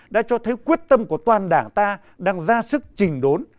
đã cho thấy quyết tâm của toàn đảng ta đang ra sức trình đốn